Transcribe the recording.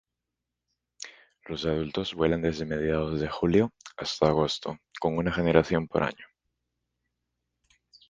Los adultos vuelan desde mediados de julio hasta agosto, con una generación por año.